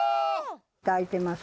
炊いてます。